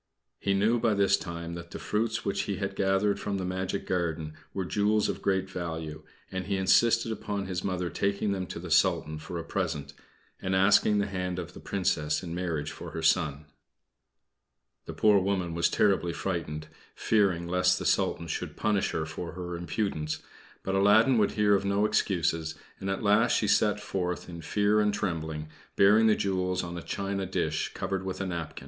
He knew by this time that the fruits which he had gathered from the magic garden were jewels of great value, and he insisted upon his Mother taking them to the Sultan for a present, and asking the hand of the Princess in marriage for her son. The poor woman was terribly frightened, fearing lest the Sultan should punish her for her impudence; but Aladdin would hear of no excuses, and at last she set forth in fear and trembling, bearing the jewels on a china dish covered with a napkin.